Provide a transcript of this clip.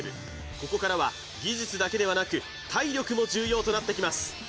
ここからは技術だけではなく体力も重要となってきます